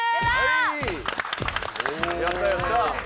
やったやった！